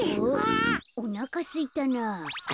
おなかすいたなあ。